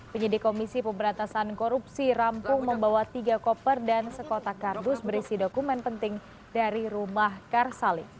penyidik komisi pemberantasan korupsi rampung membawa tiga koper dan sekotak kardus berisi dokumen penting dari rumah karsali